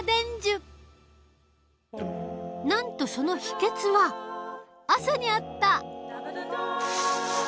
なんとそのヒケツは朝にあった。